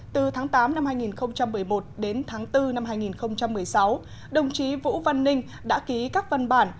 từ tháng tám năm hai nghìn một mươi một đến tháng bốn năm hai nghìn một mươi sáu đồng chí vũ văn ninh đã ký các văn bản